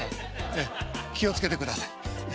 ええ気を付けてください。